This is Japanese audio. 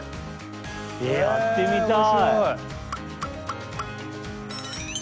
えやってみたい！